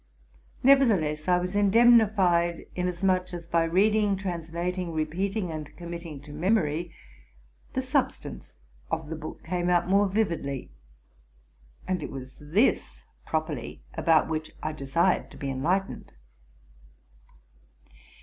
Nevertheless I was indemnified, inasmuch as by reading, translating. repeat ing, and committing to memory, the substance of the book came out more viv idly ;; and it was this, properly, about which I desired to be enlightened.